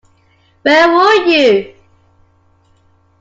Where were you?